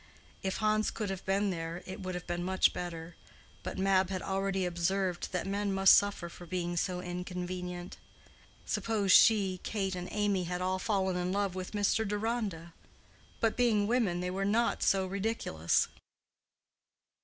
If Hans could have been there, it would have been better; but Mab had already observed that men must suffer for being so inconvenient; suppose she, Kate, and Amy had all fallen in love with Mr. Deronda?—but being women they were not so ridiculous.